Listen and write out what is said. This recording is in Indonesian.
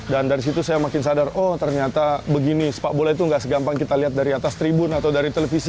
dan dari situ saya makin sadar oh ternyata sepak bola itu nggak segampang kita lihat dari atas tribun atau dari televisi